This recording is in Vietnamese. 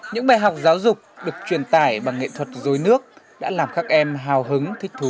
những bài học giáo dục được truyền tải bằng nghệ thuật dối nước đã làm các em hào hứng thích thú